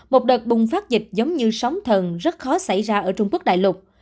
một đợt bùng phát dịch giống như sóng thần rất khó xảy ra ở trung quốc đại lục